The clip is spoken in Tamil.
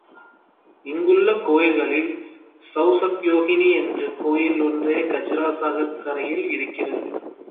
இங்குள்ள கோயில்களில் சௌசத்யோகினி என்ற கோயில் ஒன்றே கஜுரா சாகர் கரையில் இருக்கிறது.